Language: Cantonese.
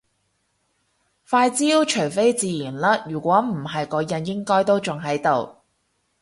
塊焦除非自然甩如果唔係個印應該都仲喺度